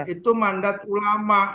itu mandat ulama